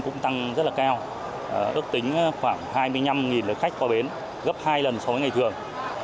cũng tăng rất là cao ước tính khoảng hai mươi năm lượt khách qua bến gấp hai lần so với ngày thường